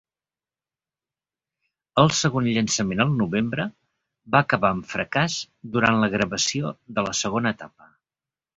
El segon llançament al novembre va acabar amb fracàs durant la gravació de la segona etapa.